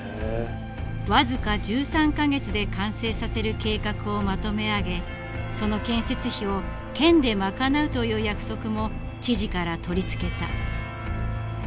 僅か１３か月で完成させる計画をまとめ上げその建設費を県でまかなうという約束も知事から取り付けた。